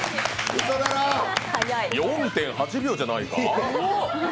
４．８秒じゃないか？